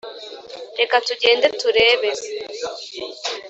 reka tugende turebe.